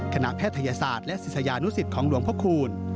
แพทยศาสตร์และศิษยานุสิตของหลวงพระคูณ